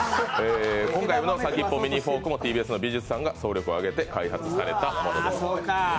今回の先っぽミニフォークもＴＢＳの美術さんが総力を挙げて開発されたものです。